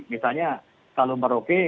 misalnya kalau merauke